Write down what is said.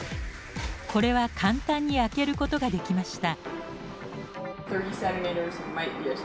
これは簡単に開けることができました。